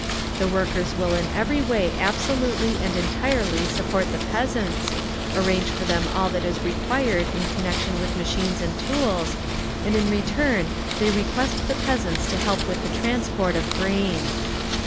The workers will in every way absolutely and entirely support the peasants, arrange for them all that is required in connection with machines and tools, and in return they request the peasants to help with the transport of grain.